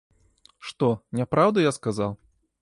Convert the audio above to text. Што, не праўду я сказаў?